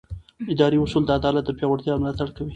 اداري اصول د عدالت د پیاوړتیا ملاتړ کوي.